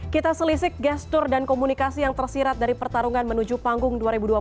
kita selisih gestur dan komunikasi yang tersirat dari pertarungan menuju panggung dua ribu dua puluh empat